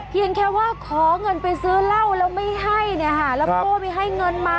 เพียงแค่ว่าขอเงินไปซื้อเหล้าแล้วไม่ให้เนี่ยค่ะ